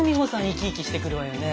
生き生きしてくるわよね。